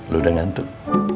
lu udah ngantuk